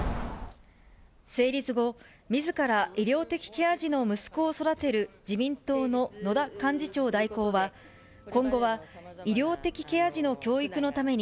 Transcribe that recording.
成立後、みずから医療的ケア児の息子を育てる自民党の野田幹事長代行は、今後は医療的ケア児の教育のために、